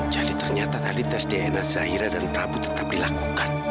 jadi ternyata tadi tes dna zahira dan prabu tetap dilakukan